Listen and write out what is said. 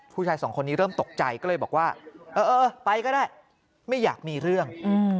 ผู้ชายสองคนนี้เริ่มตกใจก็เลยบอกว่าเออไปก็ได้ไม่อยากมีเรื่อง